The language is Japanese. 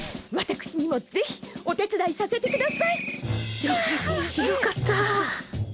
私にもぜひお手伝いさせてください！よよかった。